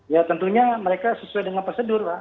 ya tentunya mereka sesuai dengan prosedur pak